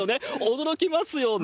驚きますよね。